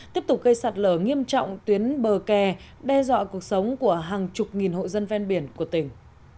tiếp tục gây sạt lở nghiêm trọng tuyến bờ kè đe dọa cuộc sống của hàng chục nghìn hộ dân ven biển của tỉnh